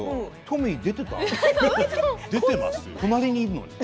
隣にいるのに。